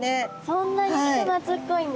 そんなに人懐っこいんですね。